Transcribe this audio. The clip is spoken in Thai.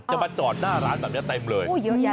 มาจอดหน้าร้านแบบนี้เต็มเลย